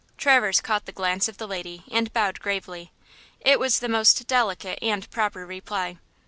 Traverse caught the glance of the lady and bowed gravely. It was the most delicate and proper reply.